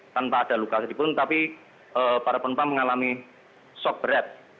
tanpa ada luka sedikitpun tapi para penumpang mengalami shock berat